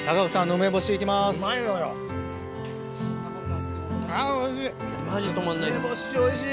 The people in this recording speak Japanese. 梅干しおいしい。